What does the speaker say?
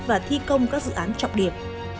và thi công các dự án trọng điểm